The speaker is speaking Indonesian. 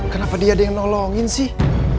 kenapa dia ada yang nolongin sih